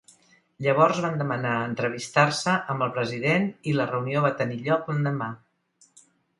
Llavors van demanar entrevistar-se amb el president i la reunió va tenir lloc l'endemà.